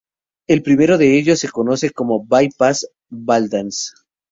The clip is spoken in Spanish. El primero de ellos, se conoce como "by pass Valdense".